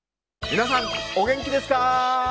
皆さんお元気ですか？